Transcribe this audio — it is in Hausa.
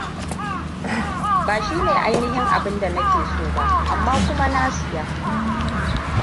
Ba shine ainihin abinda na ke soba, amma kuma na siya.